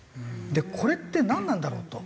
でこれってなんなんだろうと。